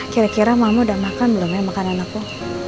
kira kira mama udah makan belum ya makanan aku